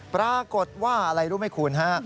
ปรากฏว่าอะไรรู้ไหมคุณฮะ